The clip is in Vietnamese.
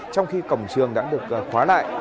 trong khi cổng trường đã được khóa lại